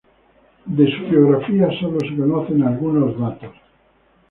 De su biografía sólo se conocen algunos datos.